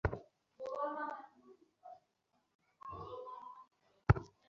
আমাকে তোরা আমার সত্য পালন করতে দিবি নে?